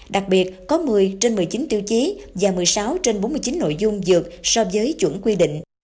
đặc biệt có một mươi trên một mươi chín tiêu chí và một mươi sáu trên bốn mươi chín nội dung dược so với chuẩn quy định